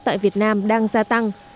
tại việt nam đang gia tăng